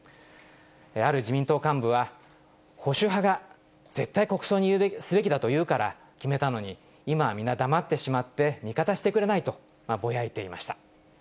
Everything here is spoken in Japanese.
ある自民党幹部は、保守派が絶対国葬にすべきだと言うから決めたのに、今は皆、黙ってしまって、味方してくれないと、ぼやいていました。